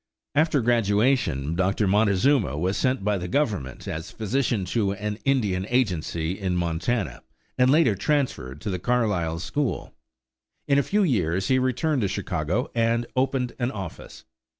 After graduation Dr. Montezuma was sent by the Government as physician to an Indian agency in Montana, and later transferred to the Carlisle school. In a few years he returned to Chicago and opened an office.